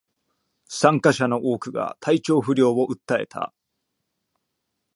参加者の多くが体調不良を訴えた